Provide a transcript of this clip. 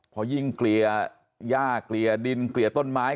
พอยิ่งเกลี่ยย่าเกลี่ยดินเกลี่ยต้นไม้